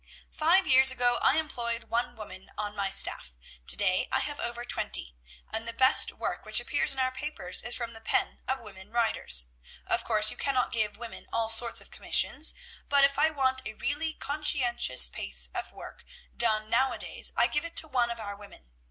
"'Five years ago I employed one woman on my staff, to day I have over twenty, and the best work which appears in our papers is from the pen of women writers. Of course you cannot give women all sorts of commissions; but if I want a really conscientious piece of work done nowadays, I give it to one of our women.